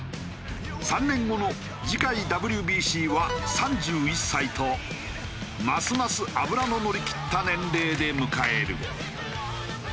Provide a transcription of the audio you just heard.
３年後の次回ＷＢＣは３１歳とますます脂の乗りきった年齢で迎える。